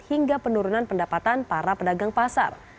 hingga penurunan pendapatan para pedagang pasar